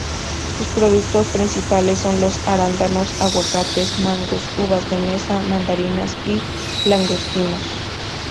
Sus productos principales son los arándanos, aguacates, mangos, uvas de mesa, mandarinas y langostinos.